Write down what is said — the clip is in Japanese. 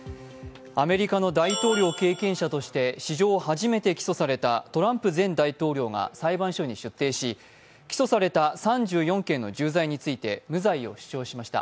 アメリカの大統領経験者として史上初めて起訴されたトランプ前大統領が裁判所に出廷し起訴された３４件の重罪について無罪を主張しました。